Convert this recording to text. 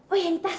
oh ya di tas